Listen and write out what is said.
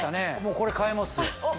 これ買いますよ。